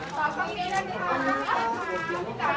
ขอบคุณนะคะ